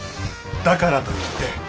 だからといって。